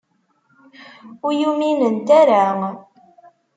Ur iyi-uminent ara.